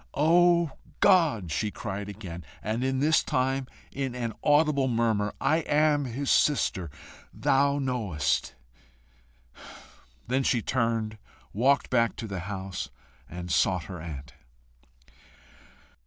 "O God," she cried again, and this time in an audible murmur, "I am his sister, thou knowest!" Then she turned, walked back to the house, and sought her aunt.